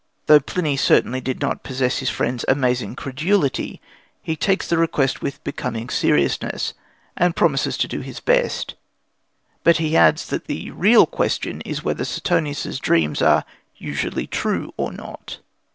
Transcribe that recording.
Though Pliny certainly did not possess his friend's amazing credulity, he takes the request with becoming seriousness, and promises to do his best; but he adds that the real question is whether Suetonius's dreams are usually true or not.